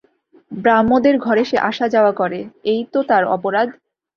ব্রাহ্মদের ঘরে সে আসা-যাওয়া করে এই তো তার অপরাধ?